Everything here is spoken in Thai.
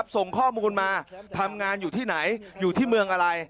ส่งข้อมูลมาทำงานอยู่ที่ไหนอยู่ที่เมืองอะไร